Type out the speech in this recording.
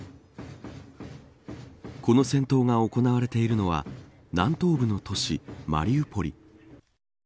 この戦闘が行われているのは南東部の都市、マリウポリ。